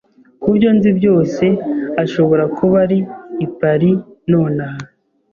Kubyo nzi byose, ashobora kuba ari i Paris nonaha.